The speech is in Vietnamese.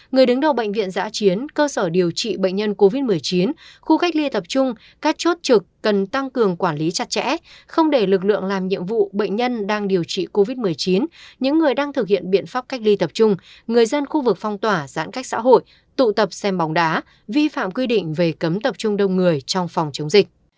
người đứng đầu bệnh viện giã chiến cơ sở điều trị bệnh nhân covid một mươi chín khu cách ly tập trung các chốt trực cần tăng cường quản lý chặt chẽ không để lực lượng làm nhiệm vụ bệnh nhân đang điều trị covid một mươi chín những người đang thực hiện biện pháp cách ly tập trung người dân khu vực phong tỏa giãn cách xã hội tụ tập xem bóng đá vi phạm quy định về cấm tập trung đông người trong phòng chống dịch